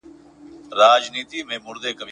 دا ساقي هغه مستان ټوله تالا سوه